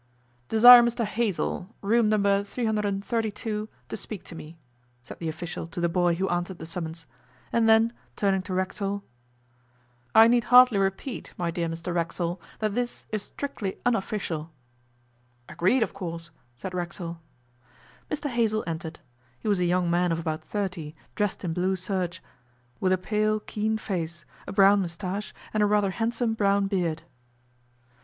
'Desire Mr Hazell room No. 332 to speak to me,' said the official to the boy who answered the summons, and then, turning to Racksole: 'I need hardly repeat, my dear Mr Racksole, that this is strictly unofficial.' 'Agreed, of course,' said Racksole. Mr Hazell entered. He was a young man of about thirty, dressed in blue serge, with a pale, keen face, a brown moustache and a rather handsome brown beard.